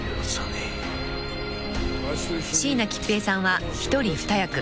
［椎名桔平さんは一人二役］